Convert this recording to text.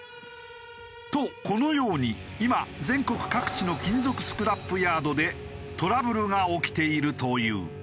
とこのように今全国各地の金属スクラップヤードでトラブルが起きているという。